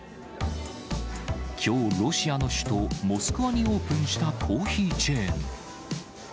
きょう、ロシアの首都モスクワにオープンしたコーヒーチェーン。